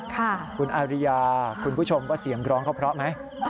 คุณอาริยาคุณผู้ชมว่าเสียงร้องเขาเพราะไหม